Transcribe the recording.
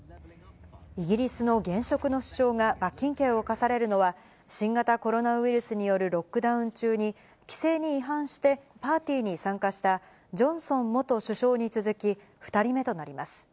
イギリスの現職の首相が罰金刑を科されるのは、新型コロナウイルスによるロックダウン中に、規制に違反してパーティーに参加したジョンソン元首相に続き２人目となります。